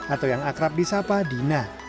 atau yang akrab di sapa dina